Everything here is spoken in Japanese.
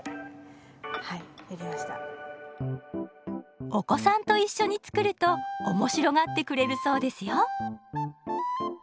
結構お子さんと一緒に作ると面白がってくれるそうですよ。